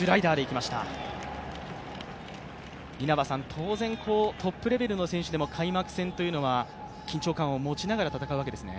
当然、トップレベルの選手でも開幕戦というのは緊張感を持ちながら戦うわけですね？